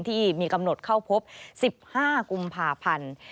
ที่มีกำหนดเข้าพบ๑๕กุมภาพันธ์